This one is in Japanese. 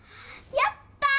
やったー！